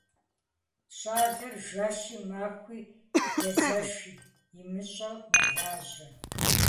Щӏалэр жэщи махуи езэш имыщӏэу мэлажьэ.